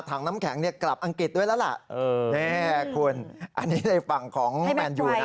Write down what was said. ให้แม่ไกรเอากลับไปเลย